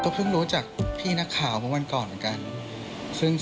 เพิ่งรู้จากพี่นักข่าวเมื่อวันก่อนเหมือนกัน